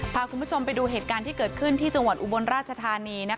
พาคุณผู้ชมไปดูเหตุการณ์ที่เกิดขึ้นที่จังหวัดอุบลราชธานี